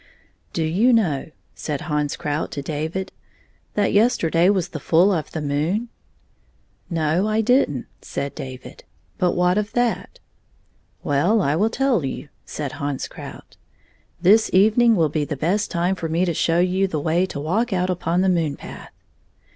" Do you know," said Hans Krout to David, " that yesterday was the foil of the moon 1 "" No ; I did n't," said David. " But what of that 1 "" Well, I will tell you," said Hans Krout; "this evening will be the best time for me to show you the way to walk out upon the moon path.